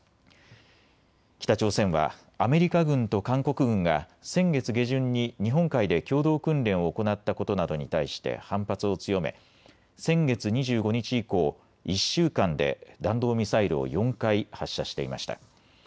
北朝鮮はアメリカ軍と韓国軍が先月下旬に日本海で共同訓練を行ったことなどに対して反発を強め、先月２５日以降、１週間で弾道ミサイルを４回発射していました。